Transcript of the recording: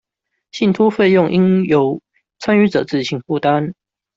信託費用應由參與者自行負擔